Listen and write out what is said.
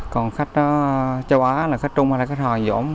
còn khách châu á là khách trung hay là khách hòa dỗm